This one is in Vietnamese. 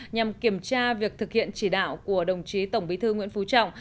nhằm kiểm tra việc thực hiện chỉ đạo của đồng chí tổng bí thư nguyễn phú trọng